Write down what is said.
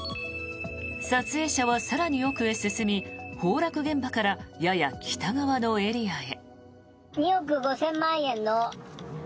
撮影者は更に奥へ進み崩落現場からやや北側のエリアへ。